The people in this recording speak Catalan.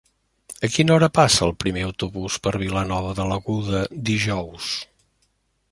A quina hora passa el primer autobús per Vilanova de l'Aguda dijous?